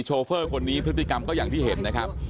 โฟร์คนนี้พฤติกรรมก็อย่างที่เห็นนะครับ